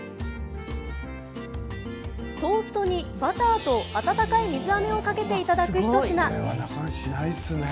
トーストにバターと温かい水あめをかけていただく一品。